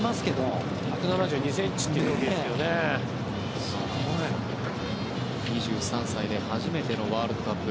レアスコは２３歳で初めてのワールドカップ。